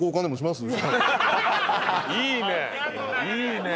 いいね。